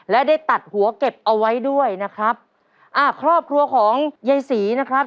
และได้ตัดหัวเก็บเอาไว้ด้วยนะครับอ่าครอบครัวของยายศรีนะครับ